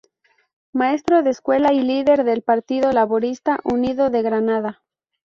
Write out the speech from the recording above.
Maestro de escuela y líder del Partido Laborista Unido de Granada.